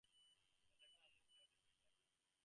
And later I always felt a bit like a nomad.